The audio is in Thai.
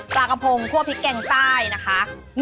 ปลากระพงคั่วพริกแกงใต้นะคะ